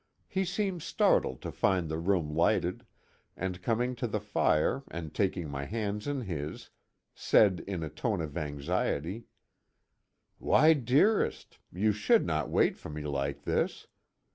He seemed startled to find the room lighted, and coming to the fire and taking my hands in his, said in a tone of anxiety: "Why, dearest! You should not wait for me like this.